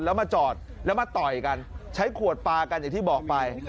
แล้วมาจอดแล้วมาต่อยกันใช้ขวดปลากันอย่างที่บอกไป